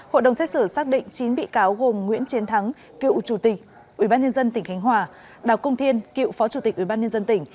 hội đồng xét xử xác định chín bị cáo gồm nguyễn chiến thắng cựu chủ tịch ubnd tỉnh khánh hòa đào cung thiên cựu phó chủ tịch ubnd tỉnh